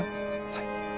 はい。